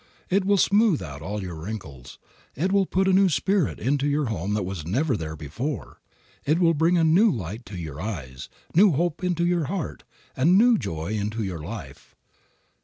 It will smooth out all your wrinkles, it will put a new spirit into your home that was never there before, it will bring a new light into your eyes, new hope into your heart, and new joy into your life.